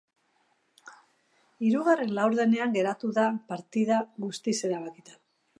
Hirugarren laurdenean geratu da partida guztiz erabakita.